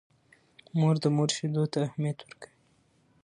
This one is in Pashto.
مور د مور شیدو ته اهمیت ورکوي.